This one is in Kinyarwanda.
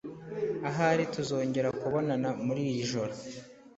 Ahari tuzongera kubonana muri iri joro.